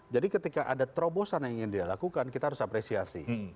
jadi ketika ada terobosan yang ingin dia lakukan kita harus apresiasi